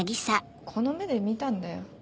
この目で見たんだよ。